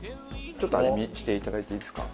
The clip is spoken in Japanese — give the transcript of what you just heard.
ちょっと味見していただいていいですか？